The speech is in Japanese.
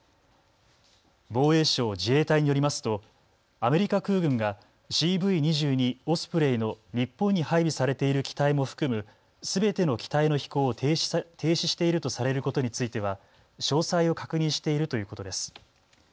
防衛省・自衛隊によりますとアメリカ空軍がＣＶ２２オスプレイの日本に配備されている機体も含むすべての機体の飛行を停止しているとされることについては詳細を確認しているということです。